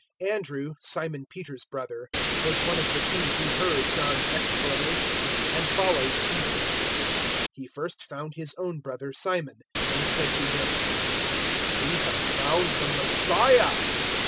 001:040 Andrew, Simon Peter's brother, was one of the two who heard John's exclamation and followed Jesus. 001:041 He first found his own brother Simon, and said to him, "We have found the Messiah!"